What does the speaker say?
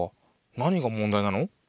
何が問題なの？